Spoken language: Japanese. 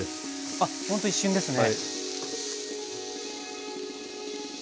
あっほんと一瞬ですね。